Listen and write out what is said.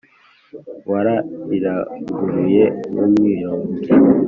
Warariranguruye nk'umwirongi